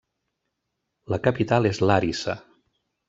La capital és Làrissa.